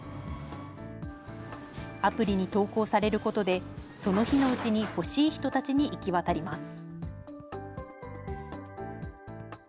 アプリに投稿されることで、その日のうちに欲しい人たちに行き渡ります。